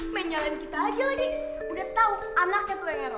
menyalin kita aja lagi udah tau anaknya tuh kayaknya pak